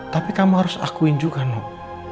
tapi kamu harus akuin juga nok